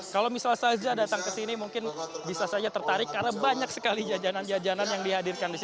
kalau misal saja datang ke sini mungkin bisa saja tertarik karena banyak sekali jajanan jajanan yang dihadirkan di sini